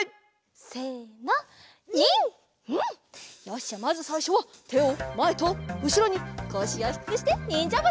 よしまずさいしょはてをまえとうしろにこしをひくくしてにんじゃばしり。